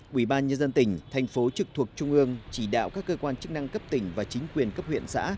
quỹ ban nhân dân tỉnh thành phố trực thuộc trung ương chỉ đạo các cơ quan chức năng cấp tỉnh và chính quyền cấp huyện xã